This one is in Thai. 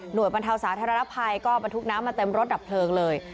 โดยบรรเทาสาธารณภัยก็บรรทุกน้ำมาเต็มรถดับเพลิงเลย